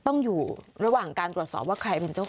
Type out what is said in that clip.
ต้องอยู่ระหว่างการตรวจสอบว่าใครเป็นเจ้าของ